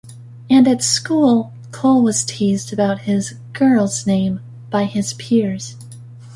And at school, Cole was teased about his "girl's name" by his peers.